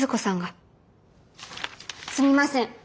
すみません。